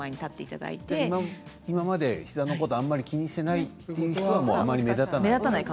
今まで膝のことをあまり気にしていないというのはあまり目立たないと。